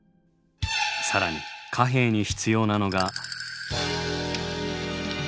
更に貨幣に必要なのが。